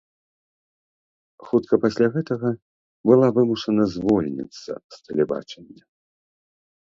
Хутка пасля гэтага была вымушана звольніцца з тэлебачання.